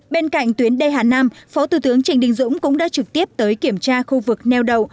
bên cạnh tuyến đê hà nam phó thủ tướng trịnh đình dũng cũng đã trực tiếp tới kiểm tra khu vực neo đậu